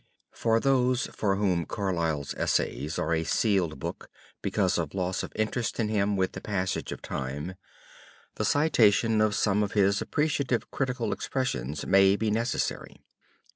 For those for whom Carlyle's Essays are a sealed book because of loss of interest in him with the passage of time, the citation of some of his appreciative critical expressions may be necessary.